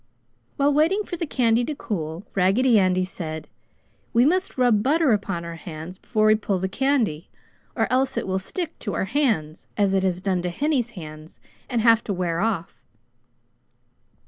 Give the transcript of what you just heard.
While waiting for the candy to cool, Raggedy Andy said, "We must rub butter upon our hands before we pull the candy, or else it will stick to our hands as it has done to Henny's hands and have to wear off!"